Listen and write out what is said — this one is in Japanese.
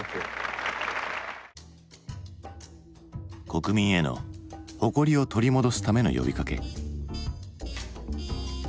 国民への誇りを取り戻すための呼びかけ。